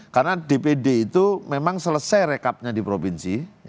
karena dpd itu memang selesai rekapnya di provinsi